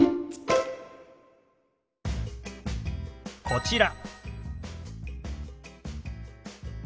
こちら。